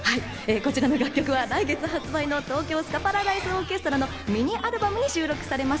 こちらの楽曲は来月発売の東京スカパラダイスオーケストラのミニアルバムに収録されます。